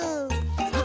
あっ！